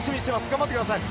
頑張ってください。